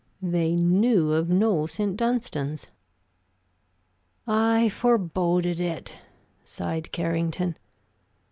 They knew of no St. Dunstan's. "I foreboded it," sighed Carrington.